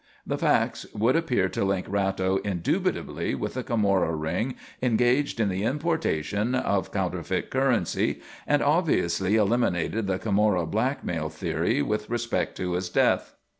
The facts would appear to link Ratto indubitably with the Camorra ring engaged in the importation of counterfeit currency and obviously eliminated the Camorra blackmail theory with respect to his death.